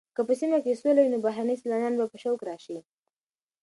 که په سیمه کې سوله وي نو بهرني سېلانیان به په شوق راشي.